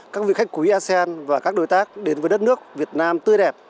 các vị khách quý asean và các đối tác đến với đất nước việt nam tươi đẹp